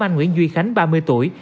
anh nguyễn duy khánh ba mươi tuổi